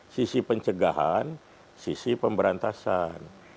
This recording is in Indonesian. sisi pencegahan sisi pemberantasan